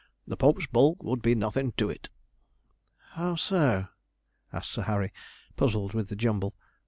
The Pope's bull would be nothin' to it!' 'How so?' asked Sir Harry, puzzled with the jumble.